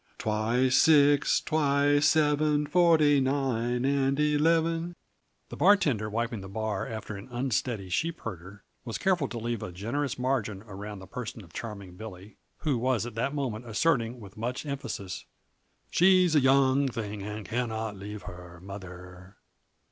Twice six, twice seven, Forty nine and eleven " The bartender, wiping the bar after an unsteady sheepherder, was careful to leave a generous margin around the person of Charming Billy who was at that moment asserting with much emphasis: "She's a young thing, and cannot leave her mother."